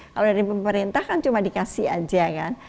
kalau dari pemerintah kan cuma dikasih aja kan